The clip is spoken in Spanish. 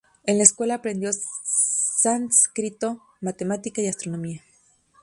En la escuela aprendió sánscrito, matemática y astronomía.